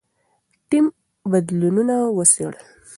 ټیم بدیلونه وڅېړل.